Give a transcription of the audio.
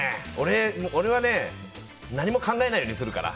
俺は何も考えないようにするから。